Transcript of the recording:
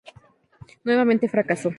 Nuevamente fracasó.